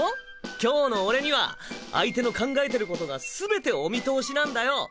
今日の俺には相手の考えてることがすべてお見通しなんだよ。